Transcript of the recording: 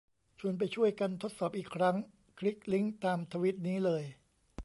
ชวนไปช่วยกันทดสอบอีกครั้ง คลิกลิงก์ตามทวีตนี้เลย